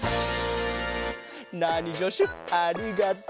ナーニじょしゅありがとう。